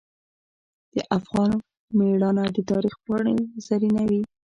د افغان میړانه د تاریخ پاڼې زرینوي.